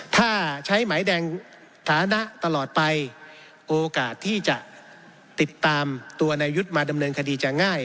ถ้าใช้หมายแดงฐานะตลอดไปโอกาสที่จะติดตามตัวนายยุทธ์มาดำเนินคดีจะง่าย